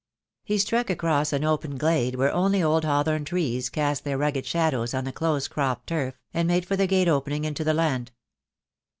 He struck across an open glade where only old hawthorn trees cast their rugged shadows on the close cropped turf, and made for the gate opening into the land.